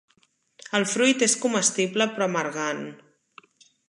El fruit és comestible però amargant.